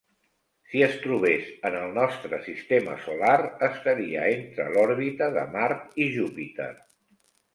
Si es trobés en el nostre sistema solar, estaria entre l'òrbita de Mart i Júpiter.